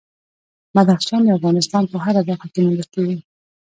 بدخشان د افغانستان په هره برخه کې موندل کېږي.